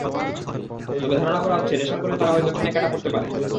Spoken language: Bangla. তবে ধারণা করা হচ্ছে, নেশার ঘোরে তারা হয়তো ট্রেনে কাটা পড়তে পারে।